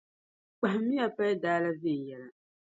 Kpahimmiya paldaa la viɛnyɛliŋga.